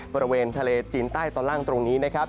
บริเวณทะเลจีนใต้ตอนล่างตรงนี้นะครับ